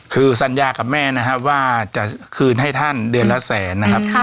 คือสัญญากับแม่นะครับว่าจะคืนให้ท่านเดือนละแสนนะครับ